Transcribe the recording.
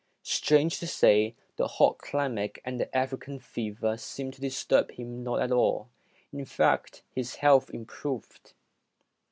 Strange to say, the hot climate and the African fever seemed to disturb him not at all ; in fact, his health improved.